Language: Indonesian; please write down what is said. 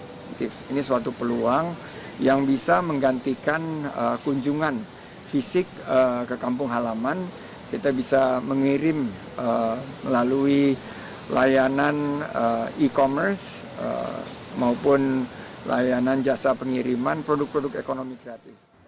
menteri pariwisata dan ekonomi kreatif sandiaga uno mendukung kebijakan presiden jokowi yang tidak mudik bisa berlibur di kota tempat ia tinggal